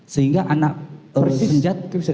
sehingga anak senjat